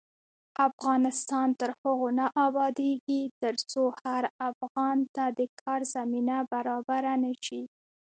افغانستان تر هغو نه ابادیږي، ترڅو هر افغان ته د کار زمینه برابره نشي.